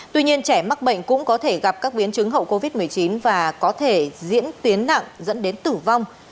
tuy nhiên trẻ mắc bệnh cũng có thể gặp các biến chứng hậu covid một mươi chín và có thể diễn tiến nặng dẫn đến tử vong